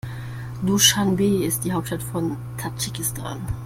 Duschanbe ist die Hauptstadt von Tadschikistan.